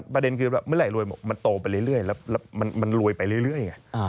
ประเด็นคือเมื่อไหร่รวยมันโตไปเรื่อยแล้วมันรวยไปเรื่อยไง